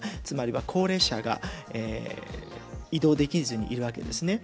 つまりは高齢者が移動できずにいるわけです。